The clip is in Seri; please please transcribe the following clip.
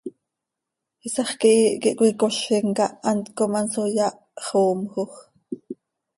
Iisax quihiih quih cöicozim cah hant com hanso yahxoomjoj.